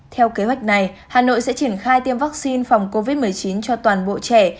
theo kế hoạch này hà nội sẽ triển khai tiêm vaccine phòng covid một mươi chín cho toàn bộ trẻ